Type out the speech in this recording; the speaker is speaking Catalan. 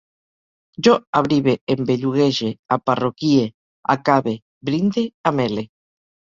Jo abrive, em belluguege, aparroquie, acabe, brinde, amele